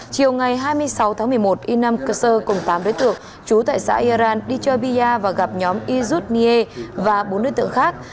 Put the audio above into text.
chiều ngày hai mươi sáu tháng một mươi một inam kassar cùng tám đối tượng trú tại xã earan đi chơi bia và gặp nhóm izud nye và bốn đối tượng khác